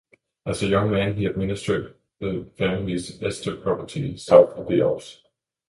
As a young man, he administered the family's Este property south of the Alps.